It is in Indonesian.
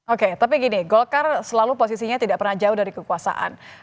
oke tapi gini golkar selalu posisinya tidak pernah jauh dari kekuasaan